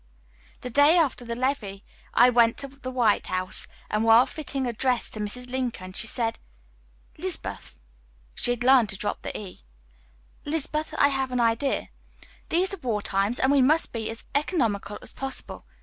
The day after the levee I went to the White House, and while fitting a dress to Mrs. Lincoln, she said: "Lizabeth" she had learned to drop the E "Lizabeth, I have an idea. These are war times, and we must be as economical as possible.